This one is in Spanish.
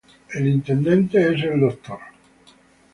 El intendente es el Dr.